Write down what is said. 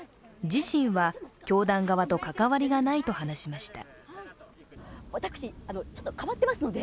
自身は教団側と関わりがないと話しました。